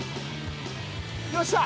よっしゃ！